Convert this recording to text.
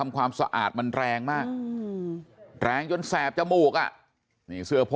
แล้วก็ยัดลงถังสีฟ้าขนาด๒๐๐ลิตร